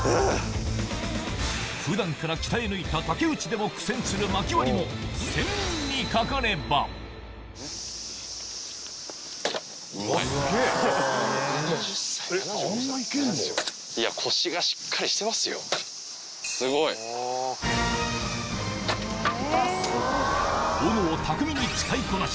普段から鍛え抜いた竹内でも苦戦するまき割りも斧を巧みに使いこなし